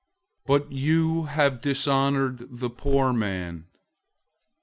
002:006 But you have dishonored the poor man.